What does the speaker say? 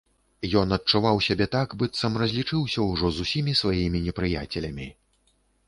Ён адчуваў сябе так, быццам разлічыўся ўжо з усімі сваімі непрыяцелямі.